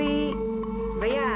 aq coffee tapi siapa saja sih